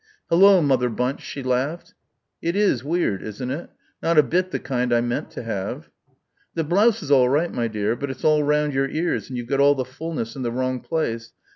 "Hullo, Mother Bunch," she laughed. "It is weird, isn't it? Not a bit the kind I meant to have." "The blouse is all right, my dear, but it's all round your ears and you've got all the fulness in the wrong place.